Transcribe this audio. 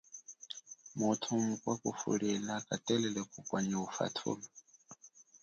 Muthu mukwa kulemba katelele kupwa nyi ufathulo.